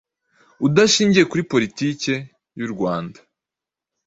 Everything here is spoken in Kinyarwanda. udashingiye kuri politike.yurwanda